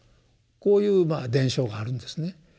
こういう伝承があるんですね。